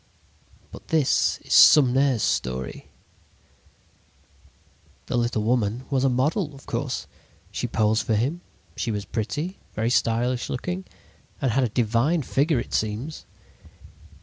"But this is Sumner's story: "The little woman was a model, of course. She posed for him. She was pretty, very stylish looking, and had a divine figure, it seems.